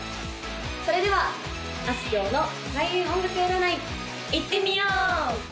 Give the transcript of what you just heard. それではあすきょうの開運音楽占いいってみよう！